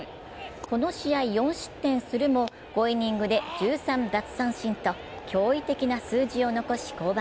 この試合、４失点するも５イニングで１３奪三振と驚異的な数字を残し降板。